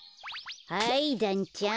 はいだんちゃん。